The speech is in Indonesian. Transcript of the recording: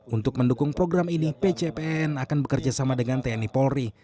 untuk mendukung program ini pcpn akan bekerja sama dengan tni polri